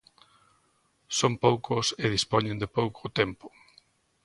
Son poucos e dispoñen de pouco tempo.